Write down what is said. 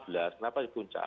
ini lima belas kenapa punca